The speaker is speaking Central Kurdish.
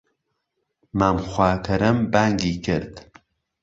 مام خواکەرەم بانگی کرد